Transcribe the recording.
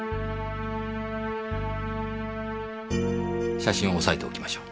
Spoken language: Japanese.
写真を押さえておきましょう。